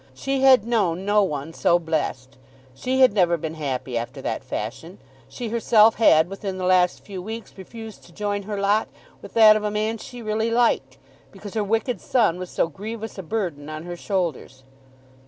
She had known no one so blessed. She had never been happy after that fashion. She herself had within the last few weeks refused to join her lot with that of a man she really liked, because her wicked son was so grievous a burden on her shoulders.